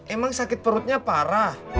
emang sakit perutnya parah